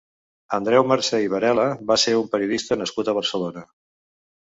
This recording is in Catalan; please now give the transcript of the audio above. Andreu Mercé i Varela va ser un periodista nascut a Barcelona.